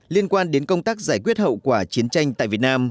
liên quan đến công tác giải quyết hậu quả chiến tranh tại việt nam